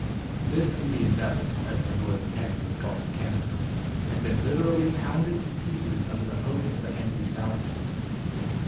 This Indian Devil (as the Northern Panther is called in Canada) had been literally pounded to pieces under the hoofs of the angry stallions.